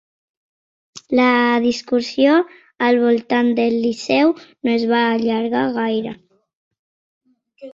La discussió al voltant del Liceu no es va allargar gaire.